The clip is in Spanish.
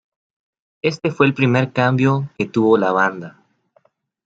Este fue el primer cambio que tuvo la banda.